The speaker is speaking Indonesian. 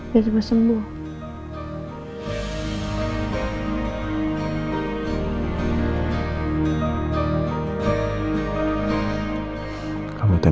nah pasuki mual doneo tuh